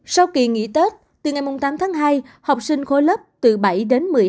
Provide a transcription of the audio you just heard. sau kỳ nghỉ tết từ ngày tám tháng hai học sinh khối lớp từ bảy đến một mươi hai